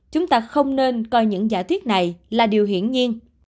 chúng ta không nên coi những giả thuyết này là điều hiển nhiên